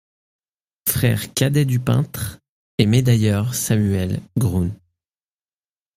Frère cadet du peintre et médailleur Samuel Grün.